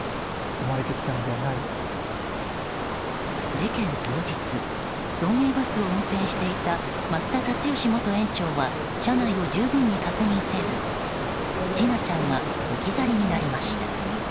事件当日、送迎バスを運転していた増田立義元園長は車内を十分に確認せず千奈ちゃんが置き去りになりました。